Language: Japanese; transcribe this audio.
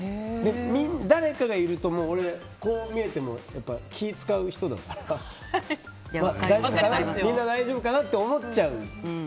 誰かがいると俺、こう見えても気を使う人だからみんな大丈夫かなって思っちゃう。